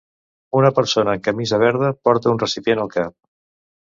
Una persona amb camisa verda porta un recipient al cap.